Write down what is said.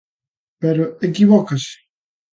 Pero equivócase.